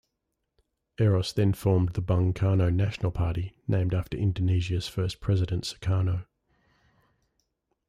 Eros then formed the Bung Karno National Party, named after Indonesia's first president Sukarno.